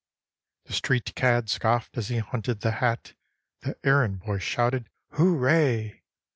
The street cad scoffed as he hunted the hat, The errand boy shouted hooray!